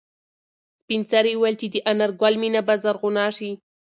سپین سرې وویل چې د انارګل مېنه به زرغونه شي.